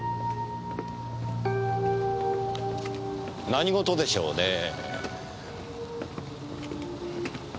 何事でしょうねぇ。